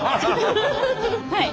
はい。